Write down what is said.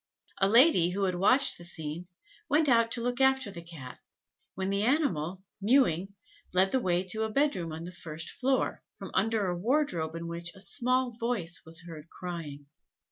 A lady, who had watched this scene, went out to look after the Cat, when the animal, mewing, led the way to a bed room on the first floor, from under a wardrobe in which a small voice was heard crying.